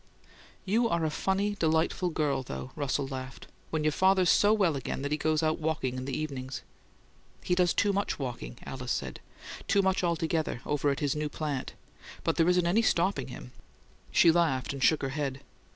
"You ARE a funny, delightful girl, though!" Russell laughed. "When your father's so well again that he goes out walking in the evenings!" "He does too much walking," Alice said. "Too much altogether, over at his new plant. But there isn't any stopping him." She laughed and shook her head.